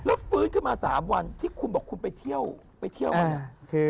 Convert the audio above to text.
แล้วฟื้นขึ้นมา๓วันที่คุณบอกคุณไปเที่ยวไปเที่ยวกันเนี่ย